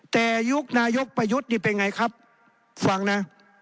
แต่ยุคนายกประยุทธ์นี่เป็นไงครับฟังนะ